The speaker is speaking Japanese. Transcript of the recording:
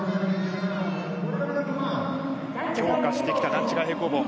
強化してきた段違い平行棒。